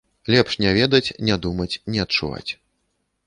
Лепш не ведаць, не думаць, не адчуваць!